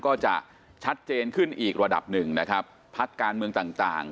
ก็จะชัดเจนขึ้นอีกระดับหนึ่งนะครับพักการเมืองต่างต่าง